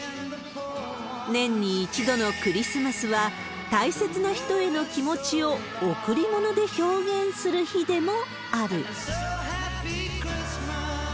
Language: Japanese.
年に１度のクリスマスは、大切な人への気持ちを贈り物で表現する日でもある。